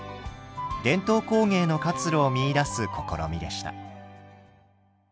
伝統工芸の活路を見いだす試みでした。